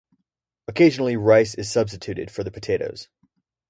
Occasionally rice is substituted for the potatoes.